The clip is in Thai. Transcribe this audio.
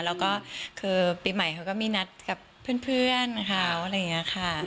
แล้วก็คือปีใหม่เขาก็มีนัดกับเพื่อนเขาอะไรอย่างนี้ค่ะ